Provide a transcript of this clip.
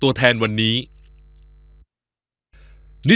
ตัวฉันอยู่ข้างในอายมี